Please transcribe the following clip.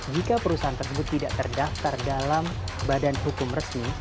jika perusahaan tersebut tidak terdaftar dalam badan hukum resmi